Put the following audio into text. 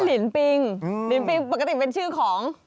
ลินปิงปกติเป็นชื่อของ